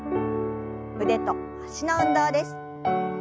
腕と脚の運動です。